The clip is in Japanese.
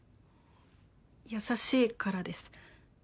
優しいからです。